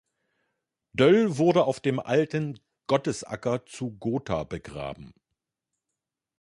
Döll wurde auf dem alten Gottesacker zu Gotha begraben.